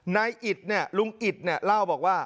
นายอิตเนี่ยลุงอิตเนี่ยเล่าบอกว่า